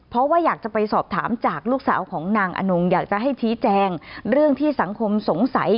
เพราะว่าอยากจะไปสอบถามจากลูกสาวของนางอนงอยากจะให้ชี้แจงเรื่องที่สังคมสงสัย